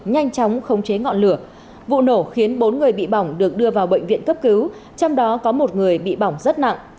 nhanh chóng khống chế ngọn lửa vụ nổ khiến bốn người bị bỏng được đưa vào bệnh viện cấp cứu trong đó có một người bị bỏng rất nặng